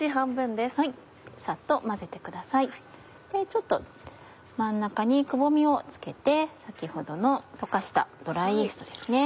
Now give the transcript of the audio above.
ちょっと真ん中にくぼみをつけて先ほどの溶かしたドライイーストですね